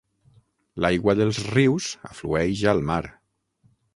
L'aigua dels rius aflueix al mar.